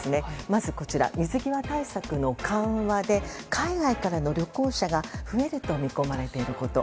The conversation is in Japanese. まず、水際対策の緩和で海外からの旅行者が増えると見込まれていること。